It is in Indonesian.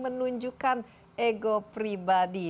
menunjukkan ego pribadi